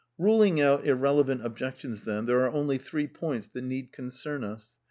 EuUng out irrelevant objections, then, there are only three points that need concern us.